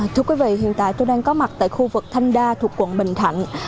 thưa quý vị hiện tại tôi đang có mặt tại khu vực thanh đa thuộc quận bình thạnh